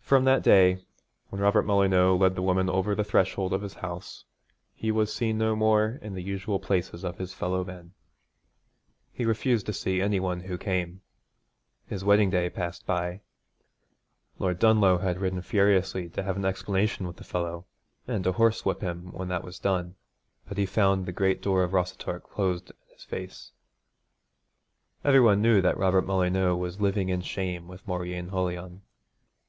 From that day, when Robert Molyneux led the woman over the threshold of his house, he was seen no more in the usual places of his fellow men. He refused to see any one who came. His wedding day passed by. Lord Dunlough had ridden furiously to have an explanation with the fellow and to horsewhip him when that was done, but he found the great door of Rossatorc closed in his face. Every one knew Robert Molyneux was living in shame with Mauryeen Holion.